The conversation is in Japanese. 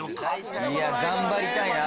いや頑張りたいな。